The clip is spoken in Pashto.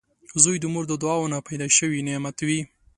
• زوی د مور د دعاوو نه پیدا شوي نعمت وي